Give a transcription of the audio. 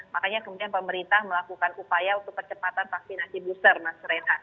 makanya kemudian pemerintah melakukan upaya untuk percepatan vaksinasi booster mas reinhardt